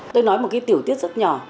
tôi nói một cái tiểu tiết rất nhỏ